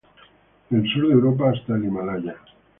Del sur de Europa hasta el Himalaya.